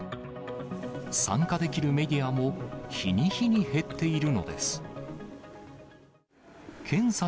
参加できるメディアも、日に日に減っているのです。